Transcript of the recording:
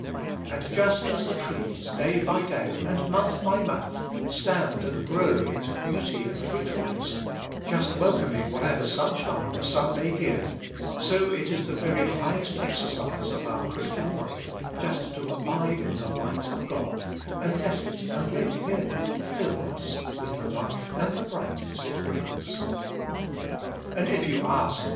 And just as the trees, day by day, and month by month, stand and grow into beauty and fruitfulness, lust welcoming whatever sunshine the sun may give, so it is the very highest exercise of our Christian life just to abide in the light of God, and let it, and let Him, fill us with the life and the brightness it brings. And if you ask.